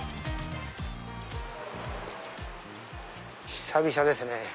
久々ですね。